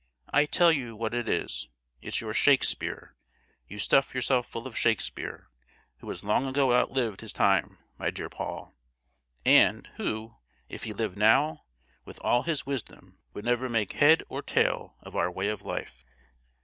I tell you what it is, it's your Shakespeare! You stuff yourself full of Shakespeare, who has long ago outlived his time, my dear Paul; and who, if he lived now, with all his wisdom, would never make head or tail of our way of life!"